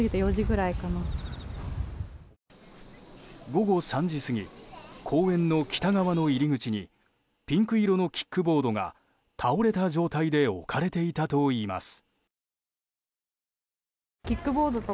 午後３時過ぎ公園の北側の入り口にピンク色のキックボードが倒れた状態で置かれていたといいます。